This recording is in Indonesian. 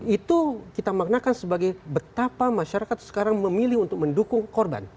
itu kita maknakan sebagai betapa masyarakat sekarang memilih untuk mendukung korban